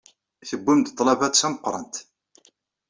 Tuwyem-d ḍḍlaba d tameqrant.